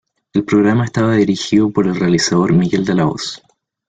El programa estaba dirigido por el realizador Miguel de la Hoz.